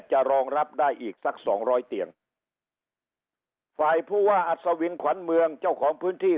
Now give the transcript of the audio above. รองรับได้อีกสักสองร้อยเตียงฝ่ายผู้ว่าอัศวินขวัญเมืองเจ้าของพื้นที่